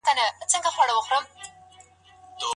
ښوروا په تناره کي نه پخېږي.